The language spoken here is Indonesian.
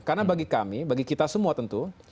karena bagi kami bagi kita semua tentu